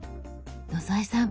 野添さん